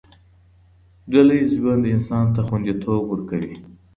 ډله ييز ژوند انسان ته خونديتوب ورکوي.